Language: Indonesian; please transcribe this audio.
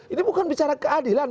ini bukan bicara keadilan